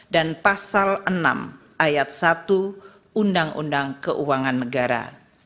dan pasal enam ayat satu undang undang keuangan negara